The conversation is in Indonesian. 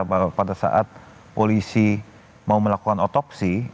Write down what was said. bahwa pada saat polisi mau melakukan otopsi